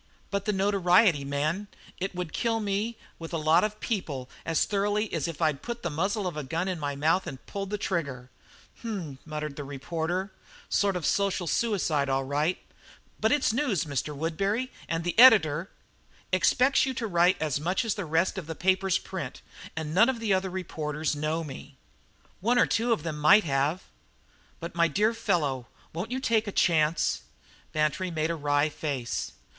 "But the notoriety, man! It would kill me with a lot of people as thoroughly as if I'd put the muzzle of a gun in my mouth and pulled the trigger." "H m!" muttered the reporter, "sort of social suicide, all right. But it's news, Mr. Woodbury, and the editor " "Expects you to write as much as the rest of the papers print and none of the other reporters know me." "One or two of them might have." "But my dear fellow won't you take a chance?" Bantry made a wry face.